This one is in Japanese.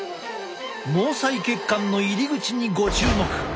毛細血管の入り口にご注目。